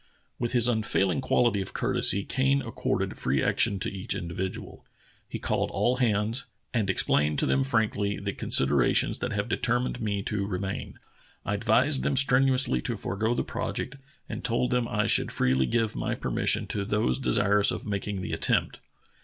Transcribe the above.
With his unfailing quality of courtesy Kane accorded free action to each individual. He called all hands " and explained to them frankly the considerations that have determined me to remain. I advised them strenuously to forego the project, and told them I should freely give my permission to those desirous of making the attempt."